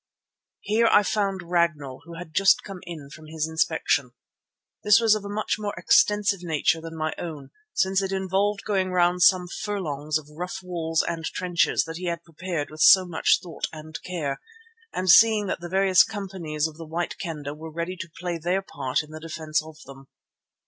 Here I found Ragnall, who had just come in from his inspection. This was of a much more extensive nature than my own, since it involved going round some furlongs of the rough walls and trenches that he had prepared with so much thought and care, and seeing that the various companies of the White Kendah were ready to play their part in the defence of them.